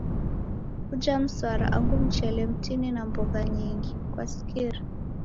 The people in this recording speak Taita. Kuje msara angu mchele mtini na mbogha nyingi, kwasikira?